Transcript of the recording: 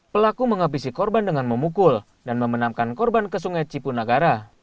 pelaku menghabisi korban dengan memukul dan memenamkan korban ke sungai cipunagara